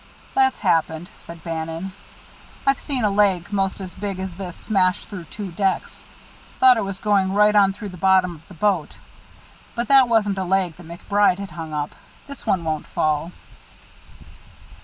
"That's happened," said Bannon. "I've seen a leg most as big as this smash through two decks. Thought it was going right on through the bottom of the boat. But that wasn't a leg that MacBride had hung up. This one won't fall."